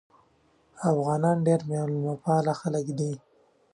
افغانان ډیر میلمه پاله خلک دي.